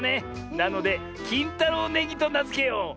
なのできんたろうネギとなづけよう！